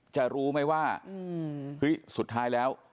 จะรู้ไหมว่าเฮ้ยสุดท้ายแล้ว